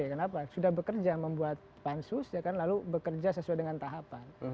kenapa sudah bekerja membuat pansus ya kan lalu bekerja sesuai dengan tahapan